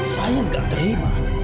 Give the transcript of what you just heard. saya gak terima